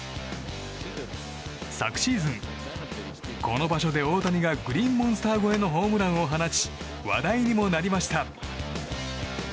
昨シーズン、この場所で大谷がグリーンモンスター越えのホームランを放ち話題にもなりました。